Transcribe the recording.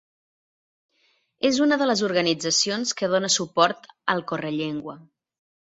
És una de les organitzacions que dóna suport al Correllengua.